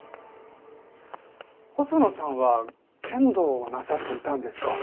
細野さんは剣道をなさっていたんですか？